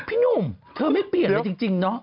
พี่หนุ่มเธอไม่เปลี่ยนเลยจริงเนาะ